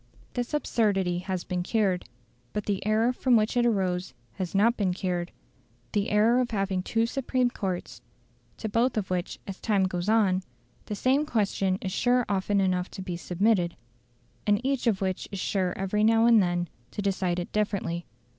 This absurdity has been cured; but the error from which it arose has not been cured the error of having two supreme courts, to both of which as time goes on, the same question is sure often enough to be submitted, and each of which is sure every now and then to decide it differently.